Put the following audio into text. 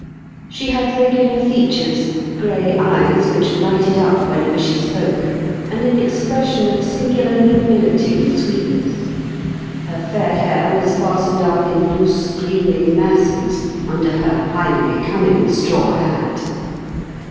She had regular features, gray eyes which lighted up whenever she spoke, and an expression of Jhrologtte. 9 singular nobility and sweetness ; her fair hair was fastened up in loose gleaming masses un der her highly becoming straw hat.